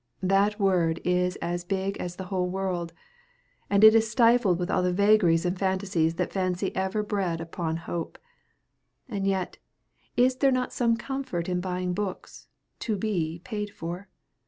That word is as big as a whole world, and is stuffed with all the vagaries and fantasies that Fancy ever bred upon Hope. And yet, is there not some comfort in buying books, to be paid for?